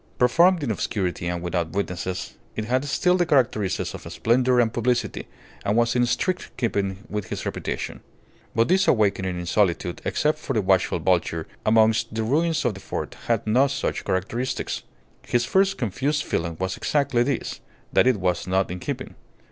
Performed in obscurity and without witnesses, it had still the characteristics of splendour and publicity, and was in strict keeping with his reputation. But this awakening in solitude, except for the watchful vulture, amongst the ruins of the fort, had no such characteristics. His first confused feeling was exactly this that it was not in keeping.